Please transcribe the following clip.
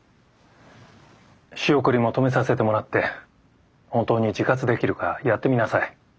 仕送りも止めさせてもらって本当に自活できるかやってみなさい。